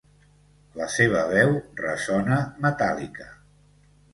La seva veu ressona metàl·lica.